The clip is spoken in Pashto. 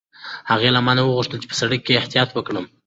هغې له ما نه وغوښتل چې په سړک کې احتیاط وکړم.